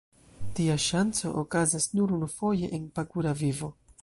Tia ŝanco okazas nur unufoje en pagura vivo.